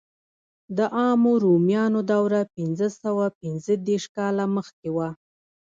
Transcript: د عامو رومیانو دوره پنځه سوه پنځه دېرش کاله مخکې وه.